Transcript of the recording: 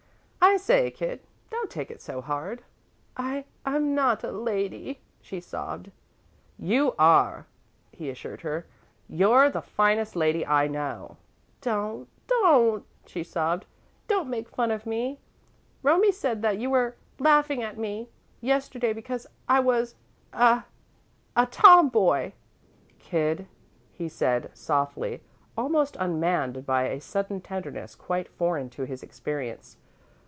"I say, kid, don't take it so hard." "I I'm not a lady," she sobbed. "You are," he assured her. "You're the finest little lady I know." "Don't don't," she sobbed. "Don't make fun of me. Romie said that you were laughing at me yesterday because I was a a tomboy!" "Kid," he said, softly, almost unmanned by a sudden tenderness quite foreign to his experience.